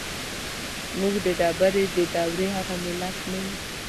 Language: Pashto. موږ د ډبرې د دورې هغه ملت نه يو.